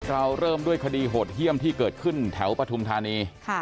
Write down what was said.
เราเริ่มด้วยคดีโหดเยี่ยมที่เกิดขึ้นแถวปฐุมธานี